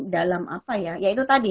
dalam apa ya ya itu tadi